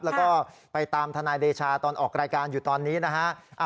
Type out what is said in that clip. แล้วก็ไปตามทนายเดชาตอนออกรายการอยู่ตอนนี้นะฮะ